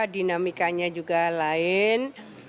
dinamikanya juga lain